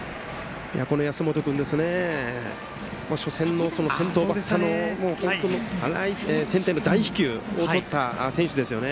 安本君初戦の先頭バッターのセンターの大飛球をとった選手ですよね。